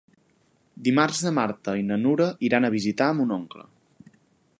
Dimarts na Marta i na Nura iran a visitar mon oncle.